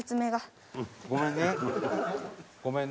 ごめんね。